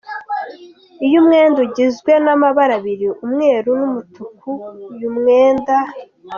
Uyu mwenda ugizwe n’ amabara abiri , umweru n’ umutuku, uyu mwenda.